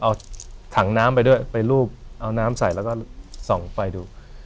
เอาถังน้ำไปด้วยไปรูปเอาน้ำใส่แล้วก็ส่องไฟดู